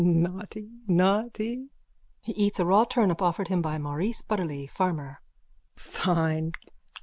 _ Ah, naughty, naughty! (He eats a raw turnip offered him by Maurice Butterly, farmer.) Fine!